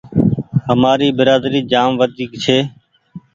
همآري برآدري جآم وڍيڪ ڇي۔